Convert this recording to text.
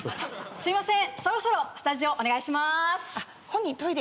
すいません。